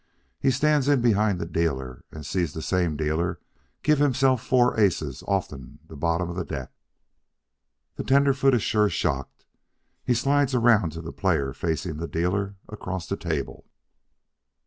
He stands behind the dealer and sees that same dealer give hisself four aces offen the bottom of the deck. The tenderfoot is sure shocked. He slides around to the player facin' the dealer across the table.